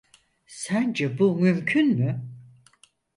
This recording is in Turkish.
Sence bu mümkün mü?